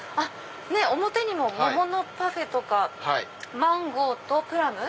表にも桃のパフェとかマンゴーとプラム。